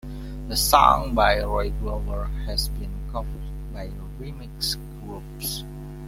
The song, by Roy Glover, has been covered by remix groups.